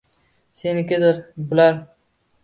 Senikidir bular